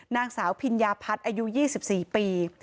นางสาวพิญญาพัฒน์อายุ๒๔ปี